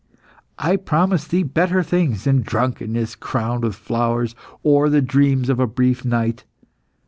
I promise thee better things than drunkenness crowned with flowers or the dreams of a brief night.